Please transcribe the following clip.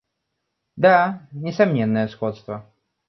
Да, несомненное сходство.